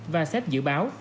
và sep dự báo